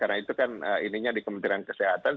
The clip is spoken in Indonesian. karena itu kan ininya di kementerian kesehatan